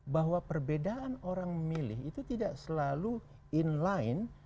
bahwa perbedaan orang memilih itu tidak selalu in line